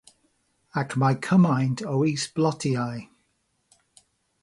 Ac mae cymaint o is-blotiau.